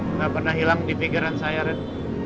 tidak pernah hilang di pikiran saya ren